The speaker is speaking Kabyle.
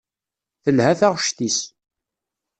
Telha taɣect-is.